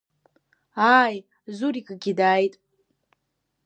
Ааи, Зурикгьы дааит.